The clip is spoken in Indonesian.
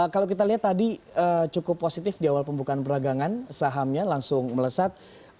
kalau kita lihat tadi cukup positif di awal pembukaan peragangan sahamnya langsung melesat